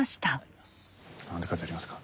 何て書いてありますか？